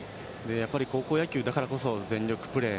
高校野球だからこそ全力プレー。